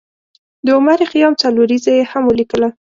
د عمر خیام څلوریځه یې هم ولیکله.